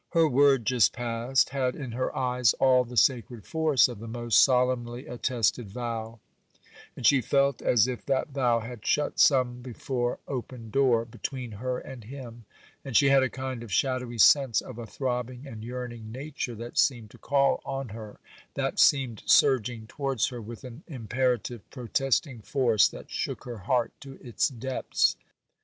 Her word just passed had in her eyes all the sacred force of the most solemnly attested vow; and she felt as if that vow had shut some before open door between her and him; and she had a kind of shadowy sense of a throbbing and yearning nature that seemed to call on her,—that seemed surging towards her with an imperative, protesting force that shook her heart to its depths.